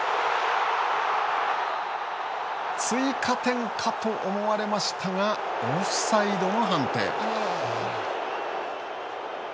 追加点かと思われましたがオフサイドの判定。